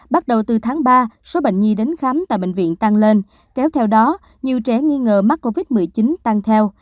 bắt đầu từ tháng ba số bệnh nhi đến khám tại bệnh viện tăng lên kéo theo đó nhiều trẻ nghi ngờ mắc covid một mươi chín tăng theo